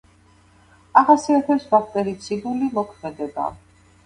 ახასიათებს ბაქტერიციდული მოქმედება.